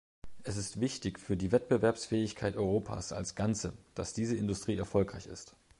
Es ist wichtig für die Wettbewerbsfähigkeit Europas als Ganzem, dass diese Industrie erfolgreich ist.